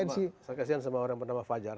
saya kesian sama orang yang bernama fajar